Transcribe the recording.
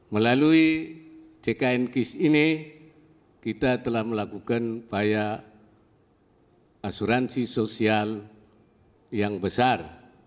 melalui ckn kis ini kita telah melakukan upaya asuransi sosial yang besar